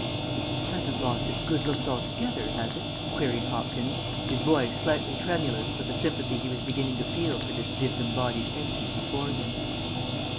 "It hasn't lost its good looks altogether, has it?" queried Hopkins, his voice slightly tremulous with the sympathy he was beginning to feel for this disembodied entity before him.